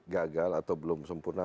gagal atau belum sempurna